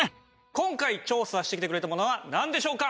今回調査してきてくれたものはなんでしょうか？